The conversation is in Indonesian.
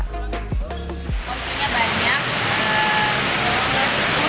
rasanya lebih kuat